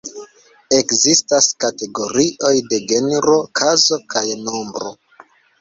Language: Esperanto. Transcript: Ekzistas kategorioj de genro, kazo kaj nombro.